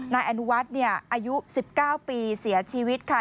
นายอนุวัฒน์อายุ๑๙ปีเสียชีวิตค่ะ